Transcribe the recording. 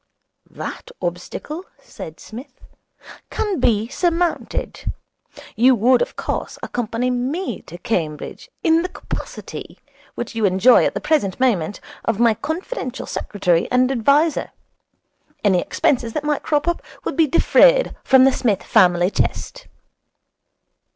'That obstacle,' said Psmith, 'can be surmounted. You would, of course, accompany me to Cambridge, in the capacity, which you enjoy at the present moment, of my confidential secretary and adviser. Any expenses that might crop up would be defrayed from the Psmith family chest.'